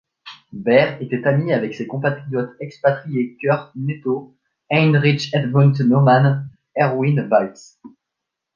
Behr était ami avec ses compatriotes expatriés Curt Netto, Heinrich Edmund Naumann, Erwin Bälz.